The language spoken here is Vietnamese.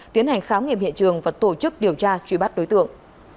tiến hành khám nghiệm hiện trường và tổ chức điều tra truy bắt đối tượng